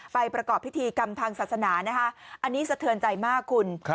ไปประกอบพิธีกำพังศาสนานะฮะอันนี้สะเทินใจมากคุณ